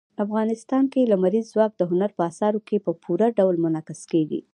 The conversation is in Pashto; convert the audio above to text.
افغانستان کې لمریز ځواک د هنر په اثارو کې په پوره ډول منعکس کېږي.